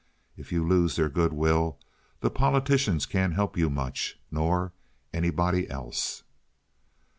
If you lose their good will the politicians can't help you much, nor anybody else."